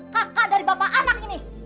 kakak dari bapak anak ini